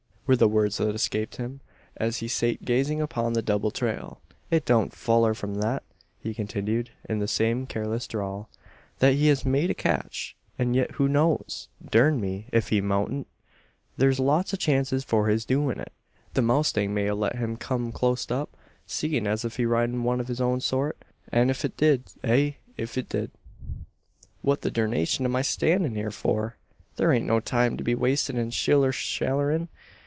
were the words that escaped him, as he sate gazing upon the double trail. "It don't foller from thet," he continued, in the same careless drawl, "thet he hez made a catch. An' yit, who knows? Durn me, ef he moutn't! Thur's lots o' chances for his doin' it. The mowstang may a let him come clost up seein' as he's ridin' one o' its own sort; an ef it dud ay, ef it dud "What the durnation am I stannin' hyur for? Thur ain't no time to be wasted in shiller shallerin'.